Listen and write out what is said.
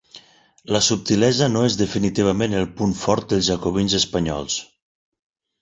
La subtilesa no és definitivament el punt fort dels jacobins espanyols.